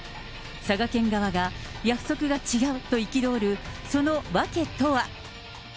佐賀県側が、約束が違うと憤るその訳とは。